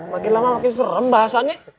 makin lama makin serem bahasanya